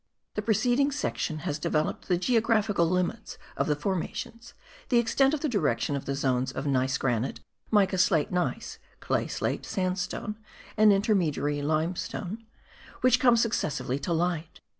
The preceding section has developed the geographical limits of the formations, the extent of the direction of the zones of gneiss granite, mica slate gneiss, clay slate, sandstone and intermediary limestone, which come successively to light.